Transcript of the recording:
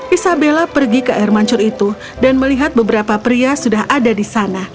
isabella pergi ke air mancur itu dan melihat beberapa pria sudah ada di sana